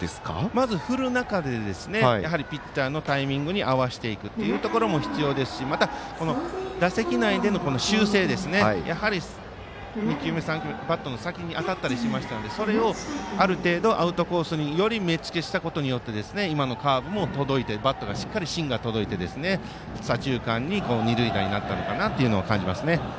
まず振る中でやはりピッチャーのタイミングに合わせていくというところも必要ですし、また打席内での修正、２球目、３球目バットの先に当たったりしたのでそれをある程度アウトコースにより目つけしたことによって今のカーブも届いて、しっかりバットの芯が届いて左中間に二塁打になったのかなと感じますね。